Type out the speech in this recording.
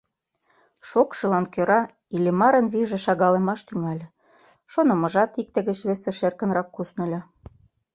Шокшылан кӧра Иллимарын вийже шагалемаш тӱҥале, шонымыжат икте гыч весыш эркынрак кусныльо.